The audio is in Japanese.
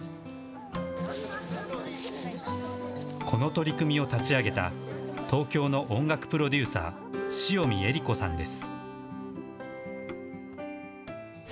この取り組みを立ち上げた東京の音楽プロデューサー、しおみえりこさんです。